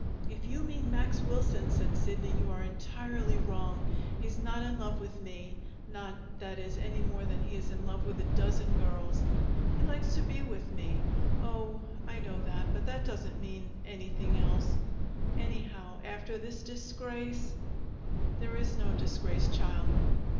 "If you mean Max Wilson," said Sidney, "you are entirely wrong. He's not in love with me not, that is, any more than he is in love with a dozen girls. He likes to be with me oh, I know that; but that doesn't mean anything else. Anyhow, after this disgrace " "There is no disgrace, child."